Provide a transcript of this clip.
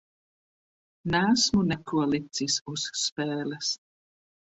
Neesmu neko licis uz spēles.